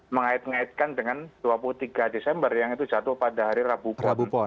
mengait ngaitkan dengan dua puluh tiga desember yang itu jatuh pada hari rabu pon